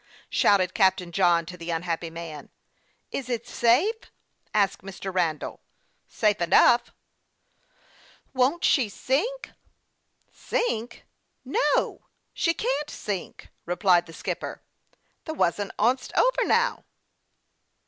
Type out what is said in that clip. " sliouted Captain John, to the unhappy man. " Is it safe ?" asked Mr. Randall. " Safe enough." "Won't she sink?"' " Sink ? no ; she can't sink," replied the skipper. " The wu'st on't 's over now."